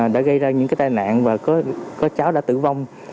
đã gây ra những tai nạn và có cháu đã tử vong